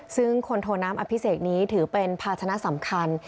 ซึ่งคนโทน้ำอภิเษกนี้ถือเป็นภาชนะสำคัญ